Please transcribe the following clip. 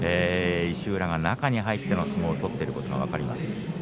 石浦が中に入っての相撲を取っていることが分かります。